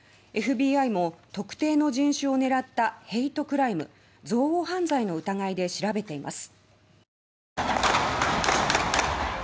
ＦＢＩも特定の人種を狙ったヘイトクライム＝憎悪犯罪の疑いで調べています。